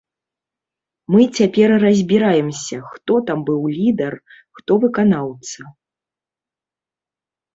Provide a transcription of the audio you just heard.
Мы цяпер разбіраемся, хто там быў лідар, хто выканаўца.